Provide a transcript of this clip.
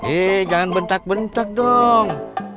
eh jangan bentak bentak dong